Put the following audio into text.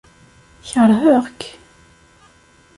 Kerheɣ-k.